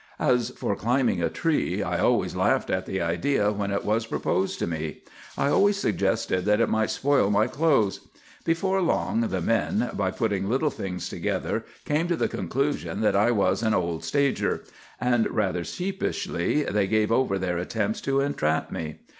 As for climbing a tree, I always laughed at the idea when it was proposed to me. I always suggested that it might spoil my clothes. Before long the men, by putting little things together, came to the conclusion that I was an old stager; and, rather sheepishly, they gave over their attempts to entrap me.